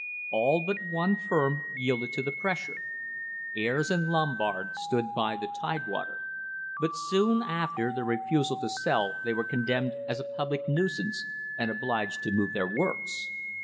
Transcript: All but one firm yielded to the pressure. Ayres and Lombard stood by the Tidewater, but soon after their refusal to sell they were condemned as a public nuisance and obliged to move their works!